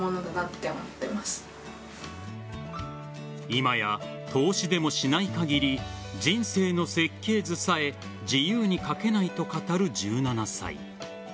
今や投資でもしない限り人生の設計図さえ自由に描けないと語る１７歳。